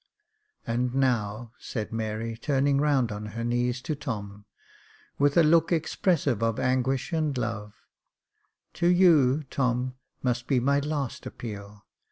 And now," said Mary, turning round on her knees to Tom, with a look expressive of anguish and love, J.F. 2 D 41 8 Jacob Faithful " to you, Tom, must be my last appeal.